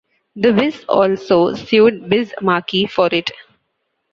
The Wiz also sued Biz Markie for it.